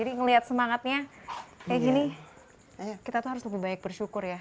jadi ngelihat semangatnya kayak gini kita tuh harus lebih baik bersyukur ya